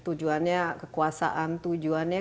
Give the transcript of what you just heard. tujuannya kekuasaan tujuannya